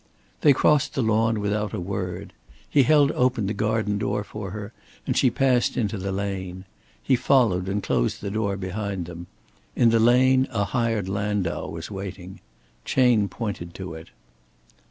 They crossed the lawn without a word. He held open the garden door for her and she passed into the lane. He followed and closed the door behind them. In the lane a hired landau was waiting. Chayne pointed to it.